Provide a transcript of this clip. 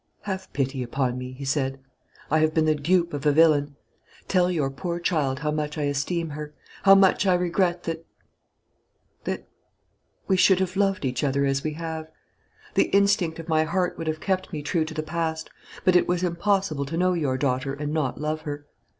"Have pity upon me," he said. "I have been the dupe of a villain. Tell your poor child how much I esteem her, how much I regret that that we should have loved each other as we have. The instinct of my heart would have kept me true to the past; but it was impossible to know your daughter and not love her.